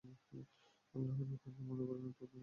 আল্লাহর যতদিন মঞ্জুর ছিল ততদিন এ অবস্থা অব্যাহত থাকে।